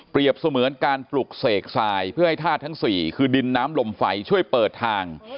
เสมือนการปลุกเสกทรายเพื่อให้ธาตุทั้ง๔คือดินน้ำลมไฟช่วยเปิดทาง